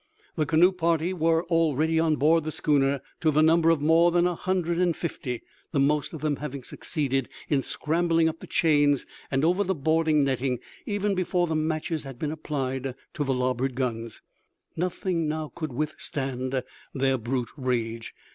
The canoe party were already on board the schooner to the number of more than a hundred and fifty, the most of them having succeeded in scrambling up the chains and over the boarding netting even before the matches had been applied to the larboard guns. Nothing now could withstand their brute rage.